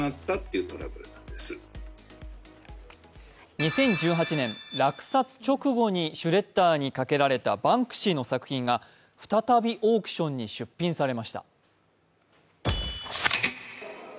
２０１８年、落札直後にシュレッダーにかけられたバンクシーの作品が再びオークションに出品されました。